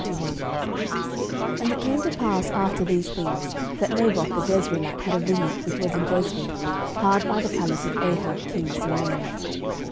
11:021:001 And it came to pass after these things, that Naboth the Jezreelite had a vineyard, which was in Jezreel, hard by the palace of Ahab king of Samaria.